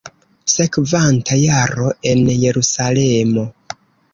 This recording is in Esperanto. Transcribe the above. Sekvanta jaro en Jerusalemo.